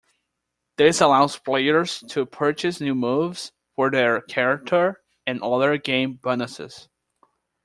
This allows players to purchase new moves for their character and other game bonuses.